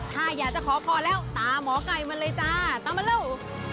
ถ้าอยากจะขอพรแล้วตามหมอไก่มาเลยจ้าตามมาเร็ว